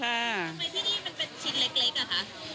ทำไมที่นี่มันเป็นชิ้นเล็กอะคะ